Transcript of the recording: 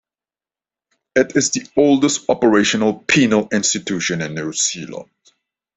It is the oldest operational penal institution in New Zealand.